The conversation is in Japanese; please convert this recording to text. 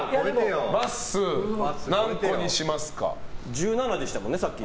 １７でしたもんね、さっき。